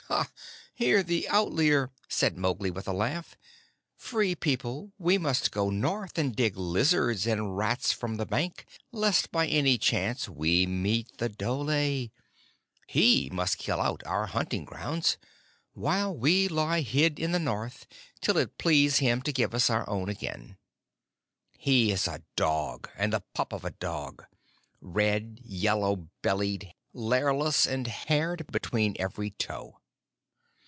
"Hear the Outlier!" said Mowgli with a laugh. "Free People, we must go north and dig lizards and rats from the bank, lest by any chance we meet the dhole. He must kill out our hunting grounds, while we lie hid in the north till it please him to give us our own again. He is a dog and the pup of a dog red, yellow bellied, lairless, and haired between every toe!